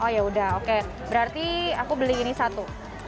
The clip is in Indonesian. oh ya udah oke berarti aku beli ini satu